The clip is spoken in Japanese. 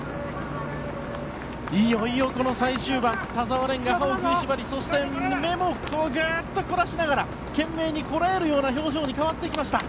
いよいよこの最終盤田澤廉が歯を食いしばりそして、胸もグッとして懸命にこらえるような表情に変わってきました。